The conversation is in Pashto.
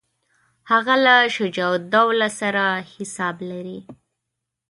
هغه له شجاع الدوله سره حساب لري.